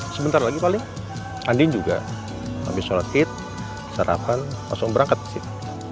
sebentar lagi paling andin juga habis sholatit sarapan langsung berangkat